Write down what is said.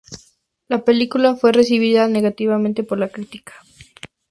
La película fue recibida negativamente por la crítica.